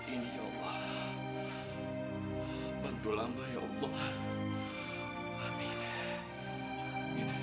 ini ya allah bantulah ya allah amin